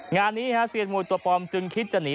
งานนี้ฮะเซียนมวยตัวปลอมจึงคิดจะหนี